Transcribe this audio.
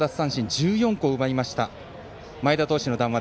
１４個を奪いました前田投手の談話